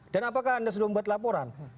dan apakah anda sudah membuat laporan